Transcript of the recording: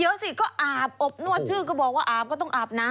สิก็อาบอบนวดชื่อก็บอกว่าอาบก็ต้องอาบน้ำ